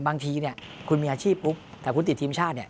บางทีเนี่ยคุณมีอาชีพปุ๊บแต่คุณติดทีมชาติเนี่ย